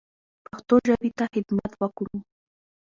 پښتو ژبې ته خدمت وکړو.